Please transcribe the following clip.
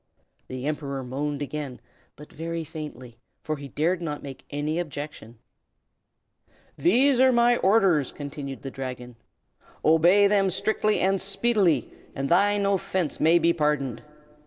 The Emperor moaned again, but very faintly, for he dared not make any objection. "These are my orders!" continued the Dragon. "Obey them strictly and speedily, and thine offence may be pardoned.